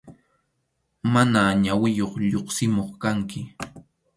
Mana ñawiyuq lluqsimuq kanki.